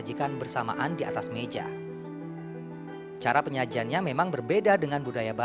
ruang sukarno dikatakan sebagai ruang utama